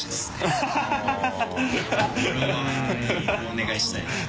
お願いしたいです。